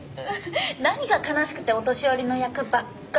何が悲しくてお年寄りの役ばっかり！